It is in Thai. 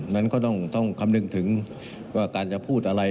นั้นก็ต้องคำนึงถึงว่าการจะพูดอะไร